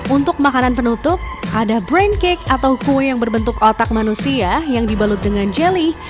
untuk makanan penutup ada braincake atau kue yang berbentuk otak manusia yang dibalut dengan jelly